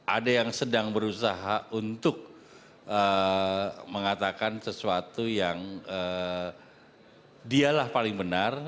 ada yang sedang berusaha untuk mengatakan sesuatu yang dialah paling benar